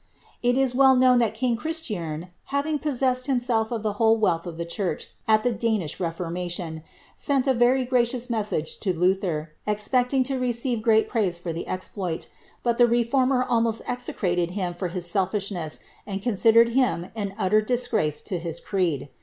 It is well known that king Chris tiern, having possessed himself of the whole wealth of the church at the Danish reformation, sent a very gracious message to Luther, expecU lag to receiTe great praise for the exploit ; but the reformer almost exe crated him for his sel^shness, and considered him an utter disgrace to bis creed.